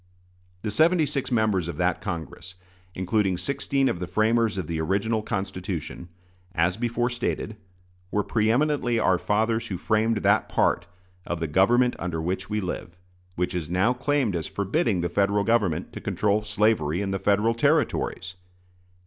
The seventy six members of that Congress, including sixteen of the framers of the original Constitution, as before stated, were pre eminently our fathers who framed that part of "the government under which we live" which is now claimed as forbidding the Federal Government to control slavery in the Federal Territories.